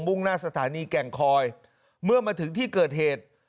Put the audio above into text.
่งหน้าสถานีแก่งคอยเมื่อมาถึงที่เกิดเหตุ